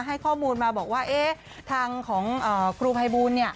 ให้ข้อมูลมาบอกว่าทางของครูภัยบูล